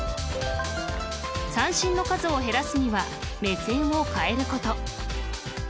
三振の数を減らすには目線を変えること。